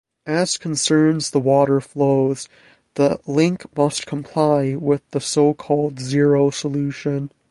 As concerns the water flows, the link must comply with the so-called zero-solution.